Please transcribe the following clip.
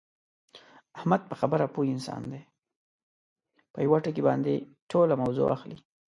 احمد په خبره پوه انسان دی، په یوه ټکي باندې ټوله موضع اخلي.